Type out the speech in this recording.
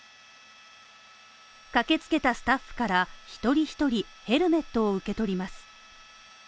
駆けつけたスタッフから一人一人ヘルメットを受け取ります。